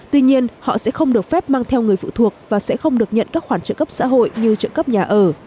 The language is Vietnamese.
tuy nhiên họ sẽ không được phép mang theo người phụ thuộc và sẽ không được nhận các khoản trợ cấp xã hội như trợ cấp nhà ở